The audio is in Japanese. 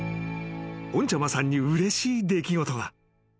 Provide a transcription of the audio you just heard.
［ぽんちゃまさんにうれしい出来事が］